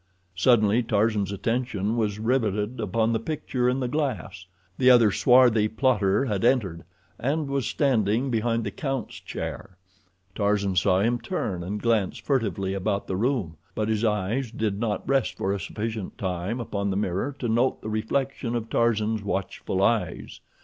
Suddenly Tarzan's attention was riveted upon the picture in the glass. The other swarthy plotter had entered, and was standing behind the count's chair. Tarzan saw him turn and glance furtively about the room, but his eyes did not rest for a sufficient time upon the mirror to note the reflection of Tarzan's watchful eyes.